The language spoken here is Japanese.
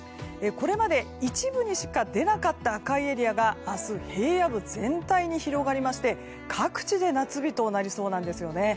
これまで一部にしか出なかった赤いエリアが明日、平野部全体に広がりまして各地で夏日となりそうなんですよね。